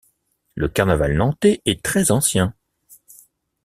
Le carnaval nantais est très ancien.